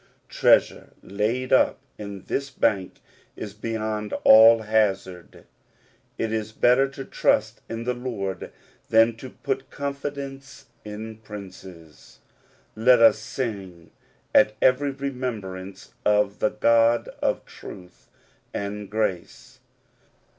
Treasure laid up in this Bank is beyond all. hazard. "It is better to trust in the Lord than to put con fidence in princes. Let us sing at every remem brance of the God of truth and grace.